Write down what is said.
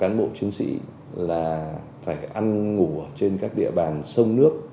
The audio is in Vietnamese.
cán bộ chiến sĩ là phải ăn ngủ trên các địa bàn sông nước